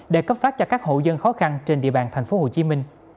để cấp phát cho các hộ dân khó khăn trên địa bàn tp hcm